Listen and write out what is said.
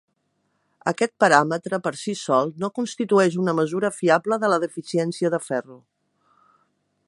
Aquest paràmetre, per si sol, no constitueix una mesura fiable de la deficiència de ferro.